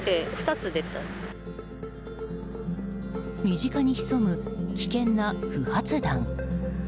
身近に潜む危険な不発弾。